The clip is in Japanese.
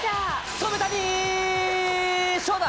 染谷将太。